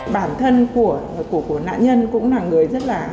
bản thân của nạn nhân cũng là người rất là